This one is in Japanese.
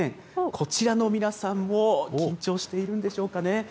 こちらの皆さんも緊張しているんでしょうかね。